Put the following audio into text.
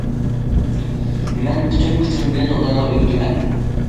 مەن پۈتۈن كۈچۈم بىلەن ئۇلارغا ئۆگىتىمەن.